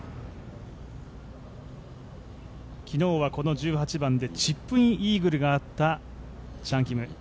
昨日はこの１８番でチップインイーグルがあったチャン・キム。